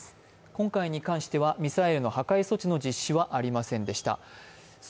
今回に関してはミサイルの破壊措置の実施はありませんでした。